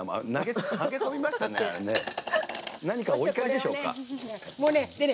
何かお怒りでしょうか。